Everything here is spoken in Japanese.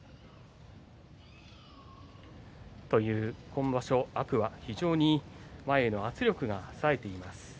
今場所、天空海、非常に前の圧力がさえています。